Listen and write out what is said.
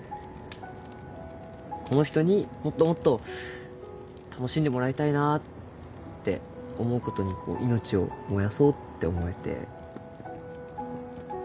この人にもっともっと楽しんでもらいたいなって思うことに命を燃やそうって思えて。